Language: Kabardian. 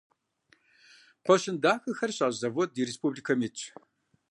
Кхъуэщын дахэхэр щащӀ завод ди республикэм итщ.